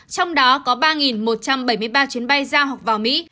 trong đó có ba một trăm bảy mươi ba chuyến bay giao vào mỹ